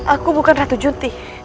aku bukan ratu junti